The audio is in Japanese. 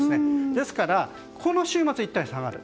ですから、この週末はいったん下がる。